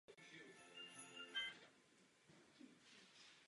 Zbytek expedice od dalšího postupu na sever upustil a vrátil se zpět do Mexika.